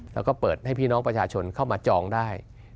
แล้วก็เปิดให้พี่น้องประชาชนเข้ามาจองได้